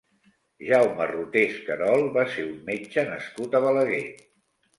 Jaume Rotés Querol va ser un metge nascut a Balaguer.